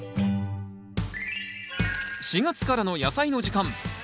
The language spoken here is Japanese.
４月からの「やさいの時間」